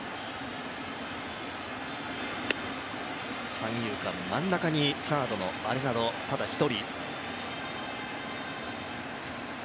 三遊間真ん中にサードのアレナド、ただ１人。